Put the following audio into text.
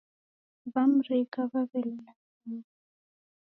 W'amrika w'aw'elola vaghu